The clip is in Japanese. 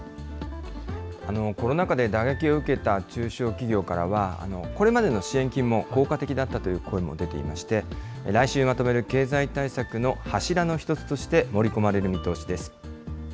コロナ禍で打撃を受けた中小企業からは、これまでの支援金も効果的だったという声も出ていまして、来週まとめる経済対策の柱の一つとして盛り込まれる見通しです。